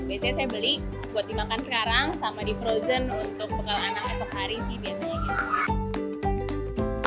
biasanya saya beli buat dimakan sekarang sama di frozen untuk bekal anak esok hari sih biasanya gitu